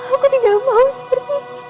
aku tidak mau seperti ini